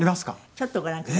ちょっとご覧ください。